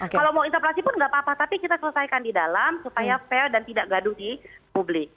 kalau mau interpelasi pun nggak apa apa tapi kita selesaikan di dalam supaya fair dan tidak gaduh di publik